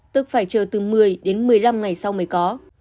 tức phải chờ từ một mươi đến một mươi năm ngày sau mới có